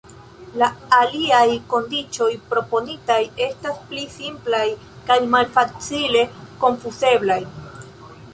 La aliaj kondiĉoj proponitaj estas pli simplaj kaj malfacile konfuzeblaj.